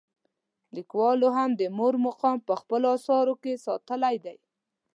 لیکوالو هم د مور مقام په خپلو اثارو کې ستایلی دی.